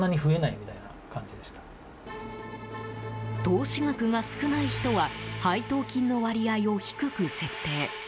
投資額が少ない人は配当金の割合を低く設定。